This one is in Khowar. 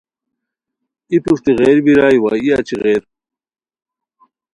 ای پروشٹی غیر بیرائے وا ای اچی غیر